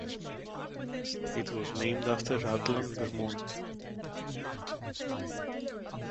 It was named after Rutland, Vermont.